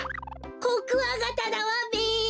コクワガタだわべ！